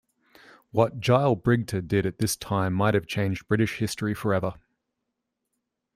What Gille Brigte did at this time might have changed British history for ever.